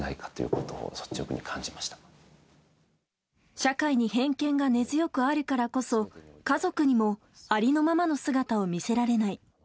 社会に偏見が根強くあるからこそ家族にもありのままの姿を見せられない。